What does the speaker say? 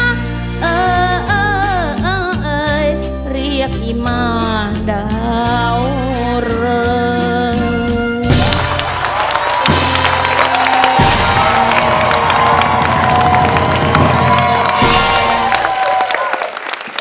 นางเดาเรืองหรือนางแววเดาสิ้นสดหมดสาวกลายเป็นขาวกลับมา